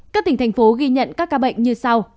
các tỉnh thành phố ghi nhận các ca bệnh như sau